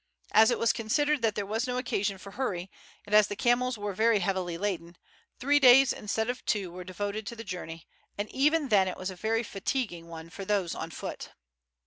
As it was considered that there was no occasion for hurry, and as the camels were very heavily laden, three days instead of two were devoted to the journey, and even then it was a very fatiguing one for those on foot.